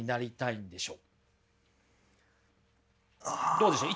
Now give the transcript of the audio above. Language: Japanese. どうでしょう。